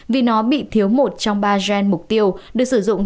vì nó bị thiếu một trong ba gen mục tiêu được sử dụng